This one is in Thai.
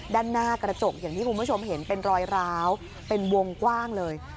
ด้านหน้ากระจกอย่างที่คุณผู้ชมเห็นเป็นรอยร้าวเป็นวงกว้างเลย